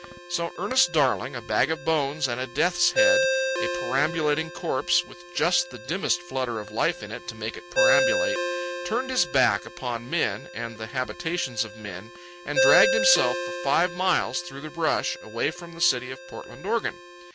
So Ernest Darling, a bag of bones and a death's head, a perambulating corpse, with just the dimmest flutter of life in it to make it perambulate, turned his back upon men and the habitations of men and dragged himself for five miles through the brush, away from the city of Portland, Oregon.